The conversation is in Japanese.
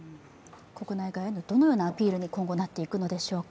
国内外へのどのようなアピールに今後なっていくのでしょうか。